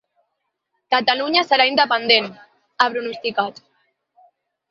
“Catalunya serà independent”, ha pronosticat.